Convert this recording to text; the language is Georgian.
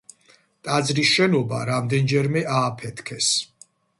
ტაძრის შენობა რამდენჯერმე ააფეთქეს.